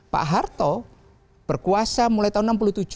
pak harto berkuasa mulai tahun seribu sembilan ratus enam puluh tujuh